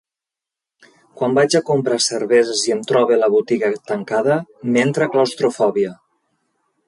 Quan vaig a comprar cerveses i em trobe la botiga tancada, m'entra claustrofòbia.